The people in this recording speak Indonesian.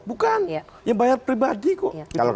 bukan yang bayar pribadi kok